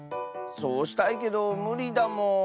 そうしたいけどむりだもん。